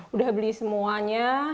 udah beli semuanya